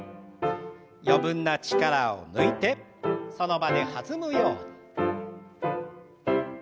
余分な力を抜いてその場で弾むように。